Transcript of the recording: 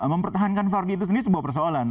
mempertahankan vardy itu sendiri sebuah persoalan